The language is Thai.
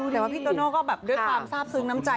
แต่ว่าพี่โตโน่ก็แบบด้วยความทราบซึ้งน้ำใจ